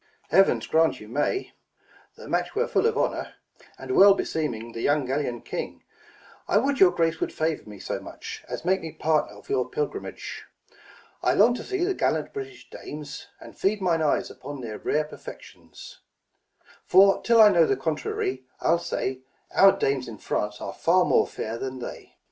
Mum. Heavens grant you may : the match were full of honour, And well beseeming the young Gallian king. I would your grace would favour me so much, As make me partner of your pilgrimage. 1 5 I long to see the gallant British dames, And feed mine eyes upon their rare perfections : For till I know the contrary, I'll say, Our dames in France are far more fair than they.